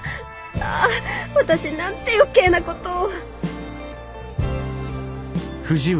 ああ私なんて余計なことを！